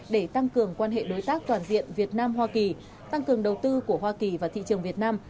để tăng cường quan hệ đối tác toàn diện việt nam hoa kỳ tăng cường đầu tư của hoa kỳ vào thị trường việt nam